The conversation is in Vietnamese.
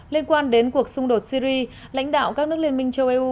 liên quan đến cuộc xung đột syri lãnh đạo các nước liên minh châu âu